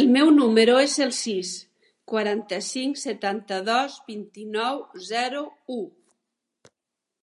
El meu número es el sis, quaranta-cinc, setanta-dos, vint-i-nou, zero, u.